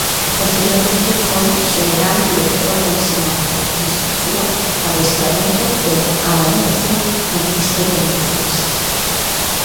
Posteriormente foi Xeneral Director de Ensinanza, Instrución, Adestramento e Avaliación no ministerio de Defensa.